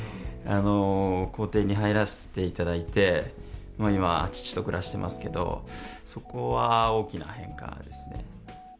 公邸に入らせていただいて、今、父と暮らしてますけど、そこは大きな変化ですね。